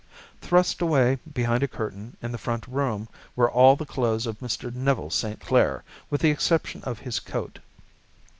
Thrust away behind a curtain in the front room were all the clothes of Mr. Neville St. Clair, with the exception of his coat.